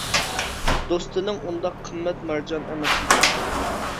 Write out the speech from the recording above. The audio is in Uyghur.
دوستىنىڭ ئۇنداق قىممەت مارجان ئەمەس ئىدى.